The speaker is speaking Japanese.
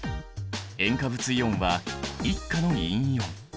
塩化物イオンは１価の陰イオン。